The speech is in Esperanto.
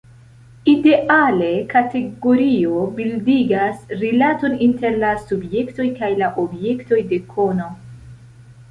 Ideale, kategorio bildigas rilaton inter la subjektoj kaj la objektoj de kono.